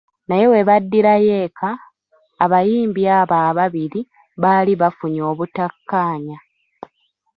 Naye webaddirayo eka, abayimbi abo ababiri baali bafunye obutakaanya.